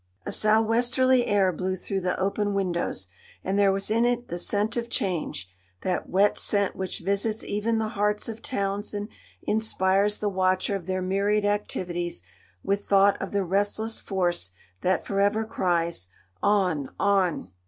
A sou' westerly air blew through the open windows, and there was in it the scent of change, that wet scent which visits even the hearts of towns and inspires the watcher of their myriad activities with thought of the restless Force that forever cries: "On, on!"